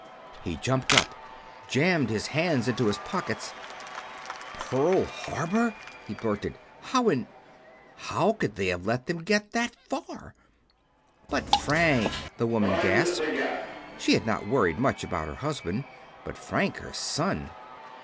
He jumped up, jammed his hands into his pockets. "Pearl Harbor!" he blurted. "How in.... How could they have let them get that far?" "But Frank!" the woman gasped. She had not worried much about her husband; but Frank, her son....